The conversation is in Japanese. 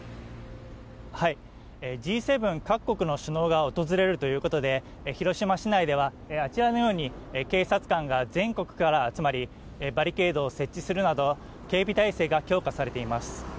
Ｇ７各国の首脳が訪れるということで広島市内ではあちらのように警察官が全国から集まり、バリケードを設置するなど、警備態勢が強化されています。